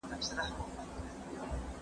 زه اوس سندري اورم؟!